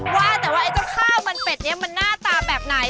ว่าแต่ว่าไอ้เจ้าข้าวมันเป็ดนี้มันหน้าตาแบบไหน